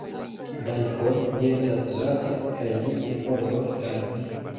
Dankon, mi estas laca, kaj mi informos al vi